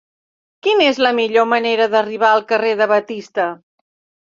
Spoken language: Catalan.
Quina és la millor manera d'arribar al carrer de Batista?